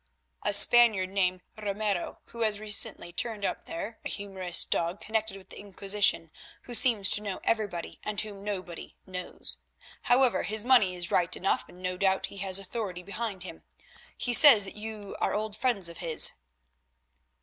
"A Spaniard named Ramiro, who has recently turned up there, a humorous dog connected with the Inquisition, who seems to know everybody and whom nobody knows. However, his money is right enough, and no doubt he has authority behind him. He says that you are old friends of his."